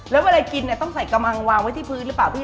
แล้วเวลากินเนี่ยต้องใส่กระมังวางไว้ที่พื้นหรือเปล่าพี่